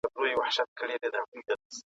ایوب خان کولای سوای چي بری ومومي.